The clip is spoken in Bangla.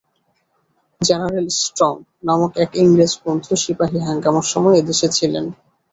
জেনারেল ষ্ট্রঙ নামক এক ইংরেজ বন্ধু সিপাহী-হাঙ্গামার সময় এদেশে ছিলেন।